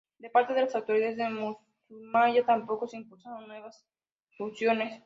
De parte de las autoridades de Matsuyama tampoco se impulsaron nuevas fusiones.